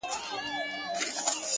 راسره جانانه ،